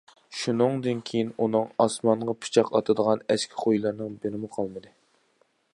شۇنىڭدىن كېيىن ئۇنىڭ‹‹ ئاسمانغا پىچاق ئاتىدىغان›› ئەسكى خۇيلىرىنىڭ بىرىمۇ قالمىدى.